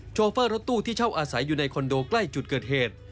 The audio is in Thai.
โฟรถตู้ที่เช่าอาศัยอยู่ในคอนโดใกล้จุดเกิดเหตุ